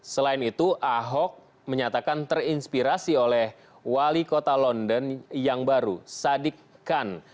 selain itu ahok menyatakan terinspirasi oleh wali kota london yang baru sadik khan